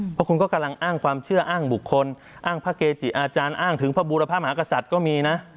เพราะคุณก็กำลังอ้างความเชื่ออ้างบุคคลอ้างพระเกจิอาจารย์อ้างถึงพระบูรพมหากษัตริย์ก็มีนะ